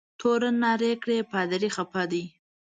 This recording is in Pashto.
تورن نارې کړې پادري خفه دی.